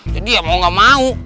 jadi ya mau gak mau